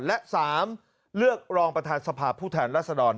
และ๓เลือกรองประธานสภาพผู้แทนรัศดร